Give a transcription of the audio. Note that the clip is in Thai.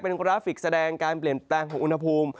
เป็นกราฟิกแสดงการเปลี่ยนแปลงของอุณหภูมิ